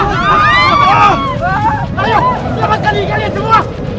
lihat kaki kalian semua